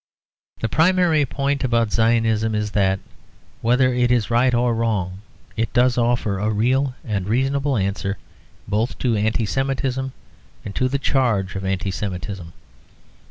The primary point about Zionism is that, whether it is right or wrong, it does offer a real and reasonable answer both to Anti Semitism and to the charge of Anti Semitism.